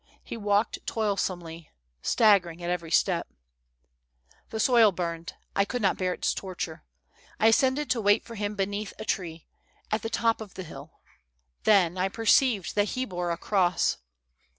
He walked toilsomely, stag gering at every step. " The soil burned, I could not bear its torture ; I ascended to wait for him beneath a tree, at the top of the hill. Then, T perceived that he bore a cross.